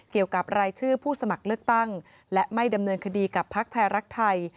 เกี่ยวกับรายชื่อผู้สมัครเลือกตั้งและไม่ดำเนินคดีกับพักไทยรักไทย